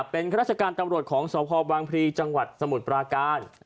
เป็นข้าราชการตำรวจของสพบางพลีจังหวัดสมุทรปราการ